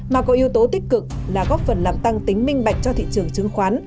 mà có yếu tố tích cực là góp phần làm tăng tính minh bạch cho thị trường chứng khoán